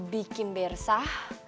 bikin be resah